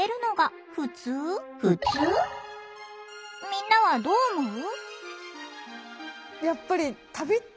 みんなはどう思う？